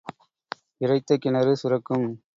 இறைத்த கிணறு சுரக்கும்.